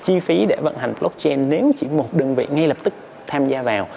chi phí để vận hành blockchain nếu chỉ một đơn vị ngay lập tức tham gia vào